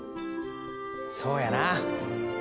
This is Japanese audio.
そうやな。